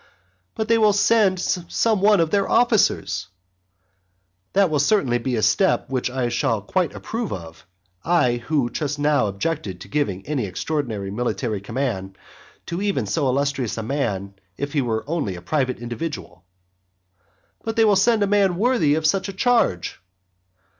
"But they will send some one of their officers" That will certainly be a step that I shall quite approve of, I who just now objected to giving any extraordinary military command to even so illustrious a man if he were only a private individual. "But they will send a man worthy of such a charge."